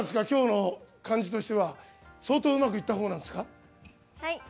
きょうの感じとしては相当、うまくいったほうですか？